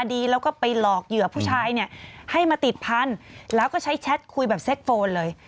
แล้วก็ไปหลอกเหยื่อผู้ชายเนี่ยให้มาติดพันธุ์แล้วก็ใช้แชทคุยแบบเซ็กโฟนเลย